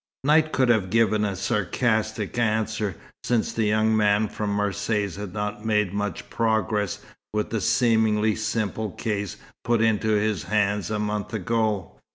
Knight could have given a sarcastic answer, since the young man from Marseilles had not made much progress with the seemingly simple case put into his hands a month ago.